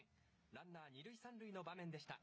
ランナー２塁３塁の場面でした。